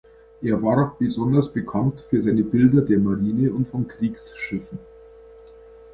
Er war besonders bekannt für seine Bilder der Marine und von Kriegsschiffen.